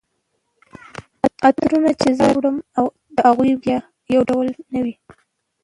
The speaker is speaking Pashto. عطرونه چي زه راوړم د هغوی بیي یو ډول نه وي